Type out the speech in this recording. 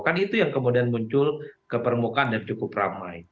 kan itu yang kemudian muncul ke permukaan yang cukup ramai